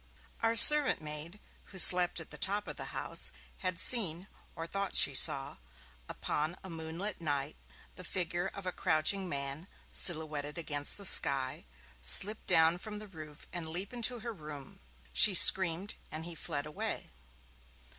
Our servant maid, who slept at the top of the house, had seen, or thought she saw, upon a moonlight night the figure of a crouching man, silhouetted against the sky, slip down from the roof and leap into her room. She screamed, and he fled away.